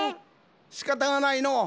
しかたがないのう。